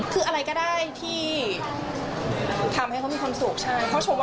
คืออะไรก็ได้ที่ทำให้เขาให้เขาหรือมีความสุข